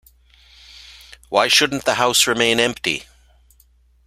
Why shouldn't the House remain empty?